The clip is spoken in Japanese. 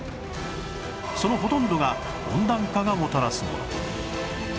そのほとんどが温暖化がもたらすもの